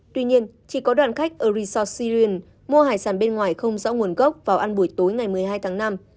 tuy nhiên chỉ có đoàn khách ở resort siren mua hải sản bên ngoài không rõ nguồn gốc vào ăn buổi tối ngày một mươi hai tháng năm